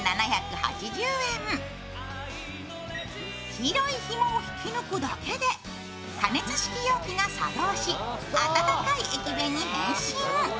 黄色いひもを引き抜くだけで加熱式容器が作動し、温かい駅弁に変身。